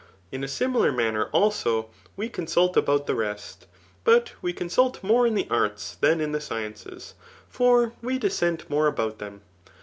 In a similar manner also, we consult about the rest ; but we consult more in tUe arts than in the sciences ; for we dissent more about them.